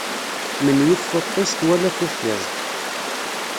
Menyif tuṭṭist wala tuffiẓt.